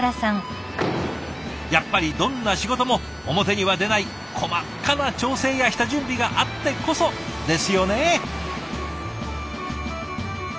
やっぱりどんな仕事も表には出ない細かな調整や下準備があってこそですよね。